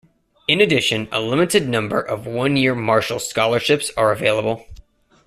In addition, a limited number of one-year Marshall scholarships are available.